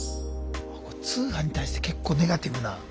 通販に対して結構ネガティブな。